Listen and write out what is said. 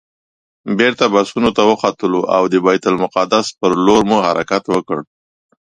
بېرته بسونو ته وختلو او د بیت المقدس پر لور مو حرکت وکړ.